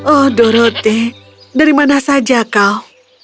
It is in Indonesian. oh doroth dari mana saja kau